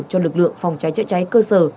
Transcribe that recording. cho lực lượng phòng cháy chữa cháy cơ sở